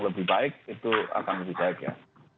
lebih baik itu akan lebih baik ya